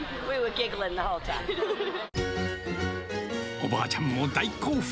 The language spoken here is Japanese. おばあちゃんも大興奮。